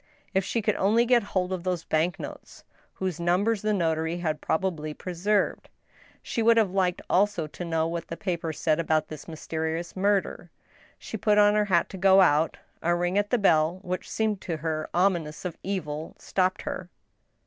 If she could only get hold of those bank notes whose numbers the notary had probably preserved I She would have liked also to know what the papers said about this mysterious murder. She put on her hat to go out A ring at the bell, which seemed to her ominous of evil, stopped her.